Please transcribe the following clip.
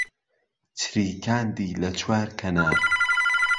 چریکاندی له چوار کهنار